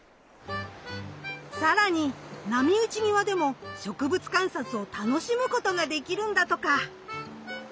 更に波打ち際でも植物観察を楽しむことができるんだとか。